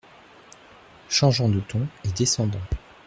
Changeant de ton et descendant.